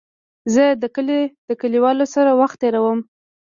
زه د کلي د کليوالو سره وخت تېرووم.